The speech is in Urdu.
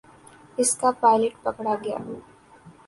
اس کا پائلٹ پکڑا گیا۔